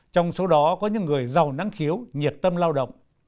trong số đó có những người giàu năng khiếu nhiệt tâm lao động